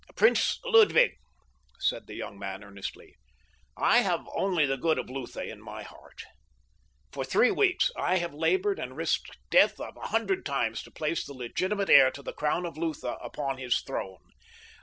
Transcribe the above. "Prince Ludwig," said the young man earnestly, "I have only the good of Lutha in my heart. For three weeks I have labored and risked death a hundred times to place the legitimate heir to the crown of Lutha upon his throne.